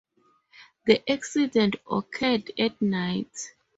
The accident occurred at night.